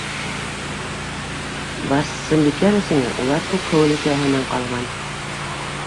Барсынбикә өләсәңә улар Күкһыу өләсәһенән ҡалған.